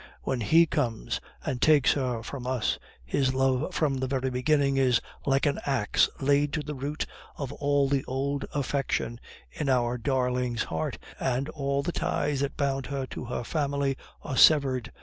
When HE comes and takes her from us, his love from the very beginning is like an axe laid to the root of all the old affection in our darling's heart, and all the ties that bound her to her family are severed.